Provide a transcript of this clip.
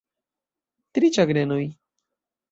Tri ĉagrenoj.